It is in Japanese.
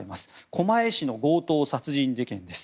狛江市の強盗殺人事件です。